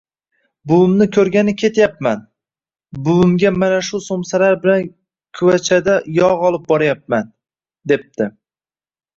— Buvimni koʻrgani ketyapman, buvimga mana bu somsalar bilan kuvachada yogʼ olib boryapman, — debdi